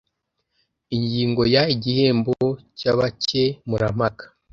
ingingo ya igihembo cy abakemurampaka